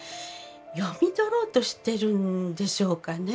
読み取ろうとしているんでしょうかね。